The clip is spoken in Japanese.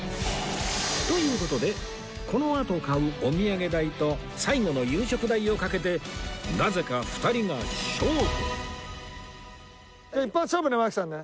という事でこのあと買うお土産代と最後の夕食代をかけてなぜか２人が勝負じゃあ一発勝負ね槙さんね。